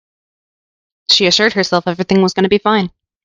She assured herself that everything is gonna be fine.